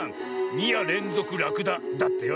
「にやれんぞくラクダ」だってよ。